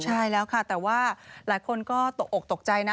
ใช่แล้วค่ะแต่ว่าหลายคนก็ตกอกตกใจนะ